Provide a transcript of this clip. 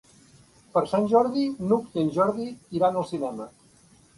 Per Sant Jordi n'Hug i en Jordi iran al cinema.